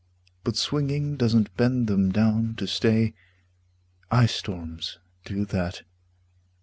But swinging doesn't bend them down to stay. Ice storms do that.